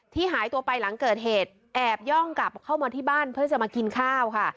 หายตัวไปหลังเกิดเหตุแอบย่องกลับเข้ามาที่บ้านเพื่อจะมากินข้าวค่ะ